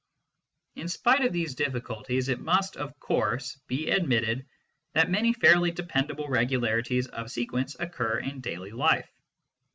In spite of these difficulties, it must, of course, be admitted that many fairly dependable regularities of sequence occur in daily life.